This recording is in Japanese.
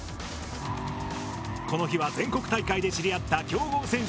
この日は全国大会で知り合った強豪選手と練習。